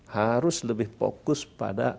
harus lebih fokus pada